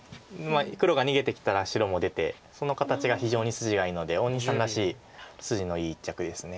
黒が逃げてきたら白も出てその形が非常に筋がいいので大西さんらしい筋のいい一着です。